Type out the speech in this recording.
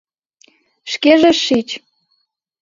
Шкеже шич.